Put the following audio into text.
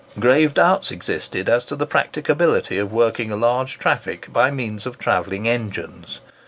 Grave doubts existed as to the practicability of working a large traffic by means of travelling engines.